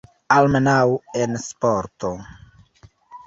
Almenaŭ en sporto.